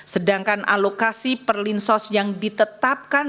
sedangkan alokasi perlinsos yang ditetapkan